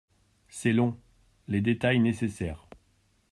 C'est long ? Les détails nécessaires.